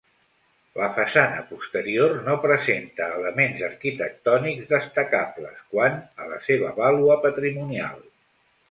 La façana posterior no presenta elements arquitectònics destacables quant a la seva vàlua patrimonial.